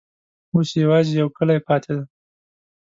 اوس یوازي یو کلی پاته دی.